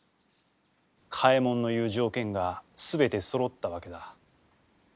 嘉右衛門の言う条件が全てそろった訳だ。